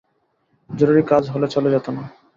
জরুরি কাজ হলে চলে যেত না।